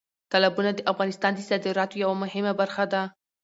تالابونه د افغانستان د صادراتو یوه مهمه برخه ده.